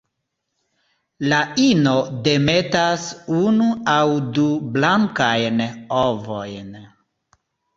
La ino demetas unu aŭ du blankajn ovojn.